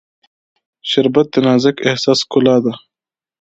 شربت د نازک احساس ښکلا ده